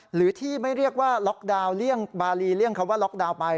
หรือที่ไม่เรียกว่าล็อกดาวน์เลี่ยงบารีเลี่ยงคำว่าล็อกดาวน์ไป